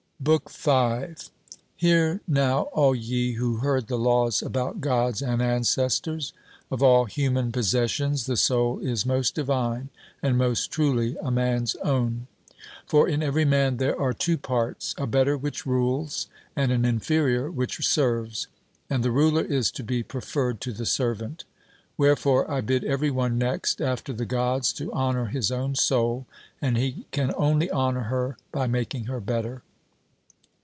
BOOK V. Hear now, all ye who heard the laws about Gods and ancestors: Of all human possessions the soul is most divine, and most truly a man's own. For in every man there are two parts a better which rules, and an inferior which serves; and the ruler is to be preferred to the servant. Wherefore I bid every one next after the Gods to honour his own soul, and he can only honour her by making her better.